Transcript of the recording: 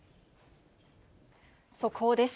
速報です。